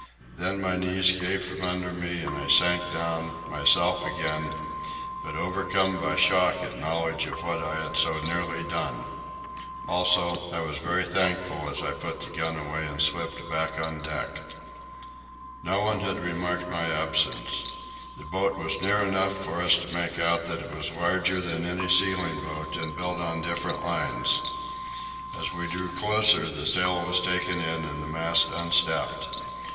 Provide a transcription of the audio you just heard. Then my knees gave from under me and I sank down, myself again, but overcome by shock at knowledge of what I had so nearly done. Also, I was very thankful as I put the gun away and slipped back on deck. No one had remarked my absence. The boat was near enough for us to make out that it was larger than any sealing boat and built on different lines. As we drew closer, the sail was taken in and the mast unstepped.